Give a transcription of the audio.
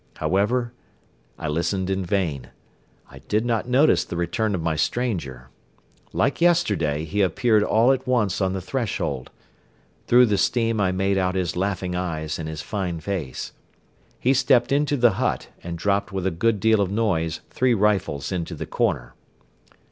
However, I listened in vain. I did not notice the return of my stranger. Like yesterday he appeared all at once on the threshold. Through the steam I made out his laughing eyes and his fine face. He stepped into the hut and dropped with a good deal of noise three rifles into the corner.